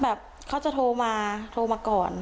แบบเขาจะโทรมาก่อน